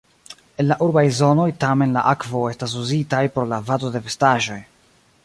En la urbaj zonoj tamen la akvo estas uzitaj por lavado de vestaĵoj.